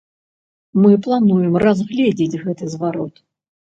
Мы плануем разгледзець гэты зварот.